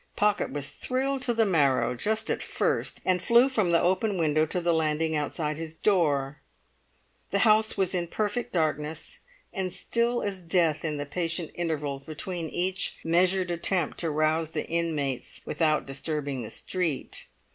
Pocket was thrilled to the marrow just at first, and flew from the open window to the landing outside his door. The house was in perfect darkness, and still as death in the patient intervals between each measured attempt to rouse the inmates without disturbing the street.